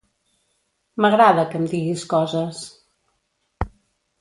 M'agrada que em diguis coses.